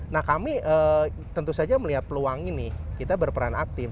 nah kami tentu saja melihat peluang ini kita berperan aktif